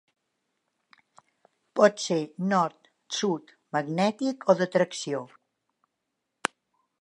Pot ser nord, sud, magnètic o d'atracció.